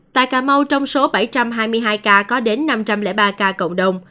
tại cà mau trong số bảy trăm hai mươi hai ca có đến năm trăm linh ba ca cộng đồng